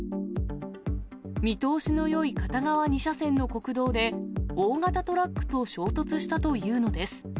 見通しのよい片側２車線の国道で、大型トラックと衝突したというのです。